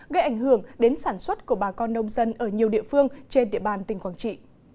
gây ảnh hưởng đến sản xuất của bà con nông dân ở nhiều địa phương trên địa bàn tỉnh quảng trị